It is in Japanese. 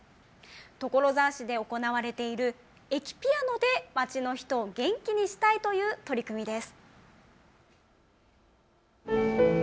所沢市で行われている駅ピアノで町の人を元気にしたいという取り組みです。